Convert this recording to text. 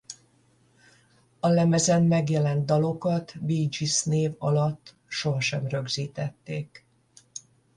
A lemezen megjelent dalokat Bee Gees név alatt sohasem rögzítették.